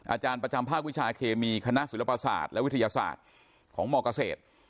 อาจารย์ประจำภาควิชาเคมีคณะศิลปศาสตร์และวิทยาศาสตร์ของมเกษตร